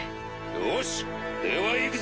よしでは行くぞ！